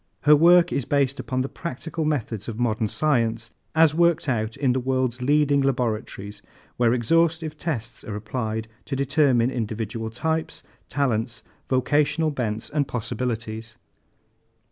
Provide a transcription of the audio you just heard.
Her work is based upon the practical methods of modern science as worked out in the world's leading laboratories where exhaustive tests are applied to determine individual types, talents, vocational bents and possibilities."